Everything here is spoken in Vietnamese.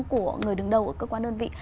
của người đứng đầu ở cơ quan đơn vị